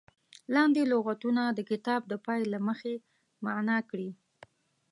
لاندې لغتونه د کتاب د پای له برخې معنا کړي.